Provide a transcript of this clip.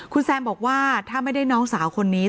คุณแซมบอกว่าถ้าไม่ได้น้องสาวคนนี้